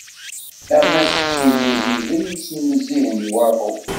Am at tizi Hibel i yettnezzihen i waḍu.